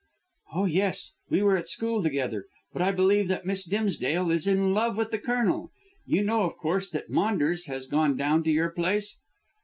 "Oh, yes. We were at school together. But I believe that Miss Dimsdale is in love with the Colonel. You know, of course, that Maunders has gone down to your place?"